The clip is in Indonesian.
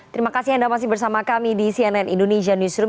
terima kasih anda masih bersama kami di cnn indonesia newsroom